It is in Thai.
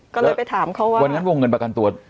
ก็เลยไปถามเขาว่าวันนั้นวงเงินประกันตัว